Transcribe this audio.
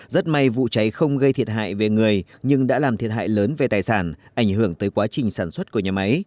rất may vụ cháy không gây thiệt hại về người nhưng đã làm thiệt hại lớn về tài sản ảnh hưởng tới quá trình sản xuất của nhà máy